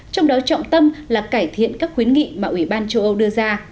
trong đó trọng tâm là cải thiện các khuyến nghị mà ủy ban châu âu đưa ra